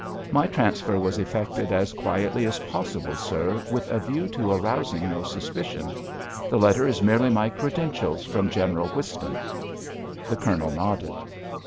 "My transfer was effected as quietly as possible, sir, with a view to arousing no suspicion. The letter is merely my credentials from General Whiston." The Colonel nodded.